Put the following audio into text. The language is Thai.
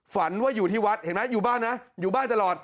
ฝันว่าอยู่ที่วัดเห็นไหมอยู่บ้านนะอยู่บ้านตลอด